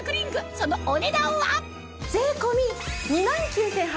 そのお値段は？